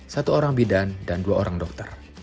satu orang bidan dan dua orang dokter